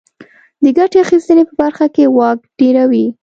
د ګټې اخیستنې په برخه کې واک ډېروي.